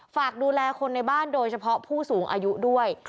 ฝากดูแลคนในบ้านโดยเฉพาะผู้สูงอายุด้วย